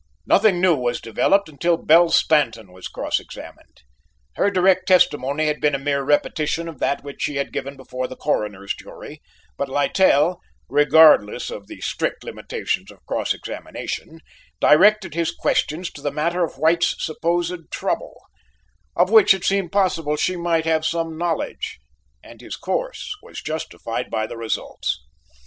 Nothing new was developed until Belle Stanton was cross examined. Her direct testimony had been a mere repetition of that which she had given before the Coroner's jury, but Littell, regardless of the strict limitations of cross examination directed his questions to the matter of White's supposed trouble, of which it seemed possible she might have some knowledge, and his course was justified by the results.